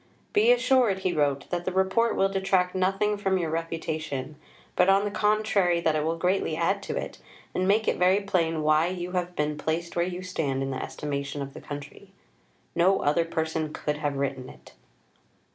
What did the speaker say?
"Be assured," he wrote, "that the Report will detract nothing from your reputation but, on the contrary, that it will greatly add to it, and make it very plain why you have been placed where you stand in the estimation of the country. No other person could have written it."